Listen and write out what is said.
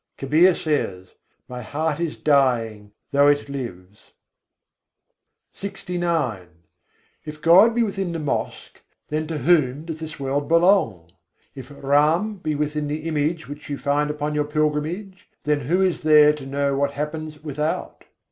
Kabîr says: "My heart is dying, though it lives." LXIX III. 2. jo khodâ masjid vasat hai If God be within the mosque, then to whom does this world belong? If Ram be within the image which you find upon your pilgrimage, then who is there to know what happens without?